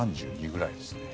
３２くらいですね。